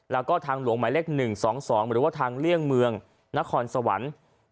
แล้วก็ทางหลวงหมายเลข๑๒๒หรือว่าทางเลี่ยงเมืองนครสวรรค์